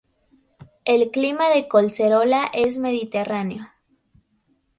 El clima de Collserola es mediterráneo.